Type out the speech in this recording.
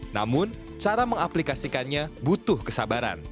namun cara mengaplikasikannya butuh kesabaran